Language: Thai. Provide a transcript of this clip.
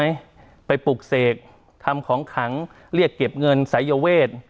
เรายกไม่อ่างทนายีไปปลูกเสกทำของขังเรียกเก็บเงินสายโยเวท